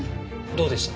どうでした？